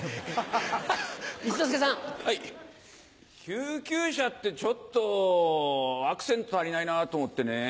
救急車ってちょっとアクセント足りないなと思ってね。